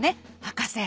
博士。